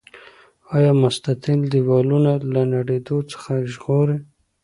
آیا مستطیل دیوالونه له نړیدو څخه ژغوري؟